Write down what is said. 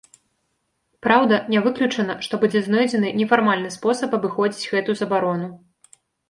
Праўда, не выключана, што будзе знойдзены нефармальны спосаб абыходзіць гэтую забарону.